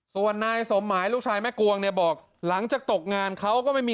ส่วนนายสมหมายลูกชายแม่กวงเนี่ยบอกหลังจากตกงานเขาก็ไม่มี